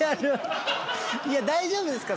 いや大丈夫ですか？